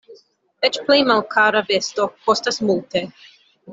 Eĉ plej malkara vesto kostas multe.